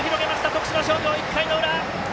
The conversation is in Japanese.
徳島商業、１回の裏！